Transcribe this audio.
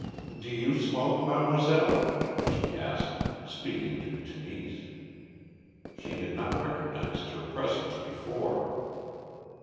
"Do you smoke, mademoiselle?" she asked, speaking to Tenise. She had not recognised her presence before.